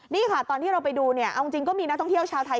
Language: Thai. นี่ค่ะตอนที่เราไปดูเนี่ยเอาจริงก็มีนักท่องเที่ยวชาวไทย